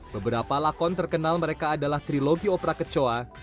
beberapa lakon terkenal mereka adalah trilogi opra kecoa